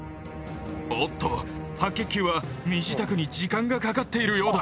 おっと白血球は身支度に時間がかかっているようだ。